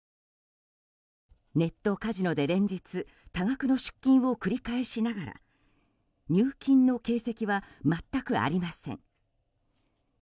ネットカジノで連日多額の出金を繰り返しながら入金の形跡は全くありません。